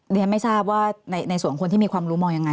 เรียนไม่ทราบว่าในส่วนคนที่มีความรู้มองยังไง